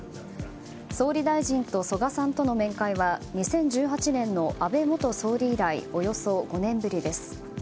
総理大臣と曽我さんとの面会は２０１８年の安倍元総理以来およそ５年ぶりです。